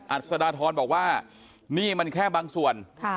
อัศดาทรบอกว่านี่มันแค่บางส่วน